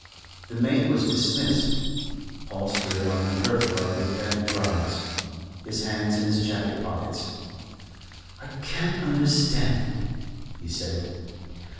The maid was dismissed. Paul stood on the hearthrug with bent brows, his hands in his jacket pockets. "I can't understand it," he said.